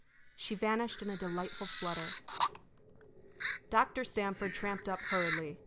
She vanished in a delightful flutter. Dr. Stamford tramped up hurriedly.